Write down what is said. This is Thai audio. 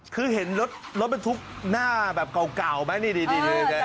คือเห็นรถบรรทุกหน้าแบบเก่าไหมดีเออจำได้